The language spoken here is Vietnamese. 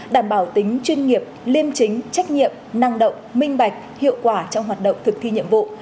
đảm bảo tính chuyên nghiệp liêm chính trách nhiệm năng động minh bạch hiệu quả trong hoạt động thực thi nhiệm vụ